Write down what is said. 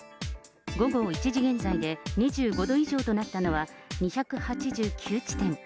午後１時現在で２５度以上となったのは、２８９地点。